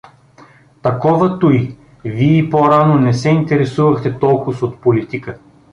Такова туй… вий по-рано не се интересувахте толкоз от политика.